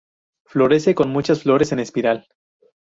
Florece con muchas flores en espiral.